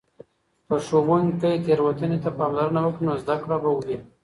که ښوونکې تیروتنې ته پاملرنه وکړي، نو زده کړه به وي.